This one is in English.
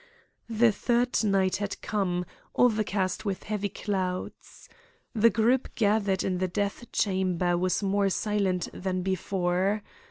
The third night had come, overcast with heavy clouds. The group gathered in the death chamber was more silent than before.